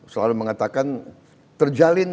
selalu mengatakan terjalin